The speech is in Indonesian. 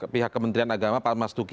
pihak kementerian agama pak mas duki